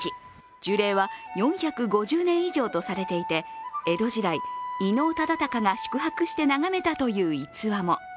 樹齢は４５０年以上とされていて江戸時代、伊能忠敬が宿泊して眺めたという逸話も。